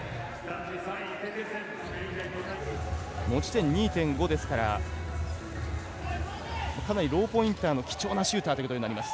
持ち点２．５ですからかなりローポインターの貴重なシューターということになります。